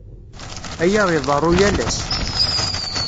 Aya iḍerru yal ass.